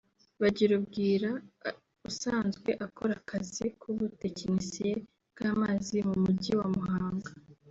Bagirubwira usanzwe akora akazi k’ubutekinisiye bw’amazi mu Mujyi wa Muhanga